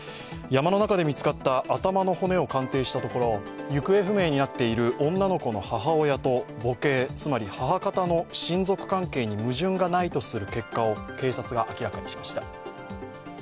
山の中で見つかった頭の骨を鑑定したところ行方不明になっている女の子の母親と母系、つまり母方の親族関係に矛盾がないとする結果を警察が明らかにしました。